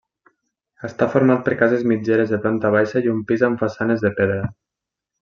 Està format per cases mitgeres de planta baixa i un pis amb façanes de pedra.